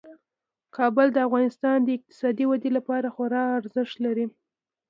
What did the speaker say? کابل د افغانستان د اقتصادي ودې لپاره خورا ارزښت لري.